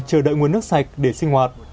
chờ đợi nguồn nước sạch để sinh hoạt